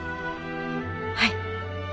はい。